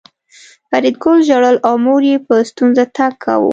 فریدګل ژړل او مور یې په ستونزه تګ کاوه